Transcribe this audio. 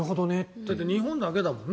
だって日本だけだもんね。